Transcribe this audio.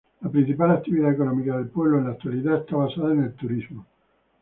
La principal actividad económica del pueblo en la actualidad está basada en el turismo.